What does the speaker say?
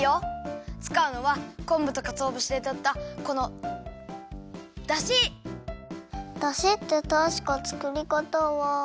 つかうのはこんぶとかつおぶしでとったこのだし！だしってたしか作り方は。